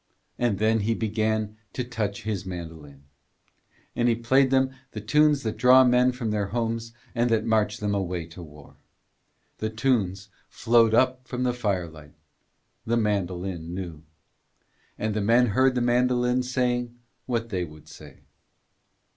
And then he began to touch his mandolin; and he played them the tunes that draw men from their homes and that march them away to war. The tunes flowed up from the firelight: the mandolin knew. And the men heard the mandolin saying what they would say.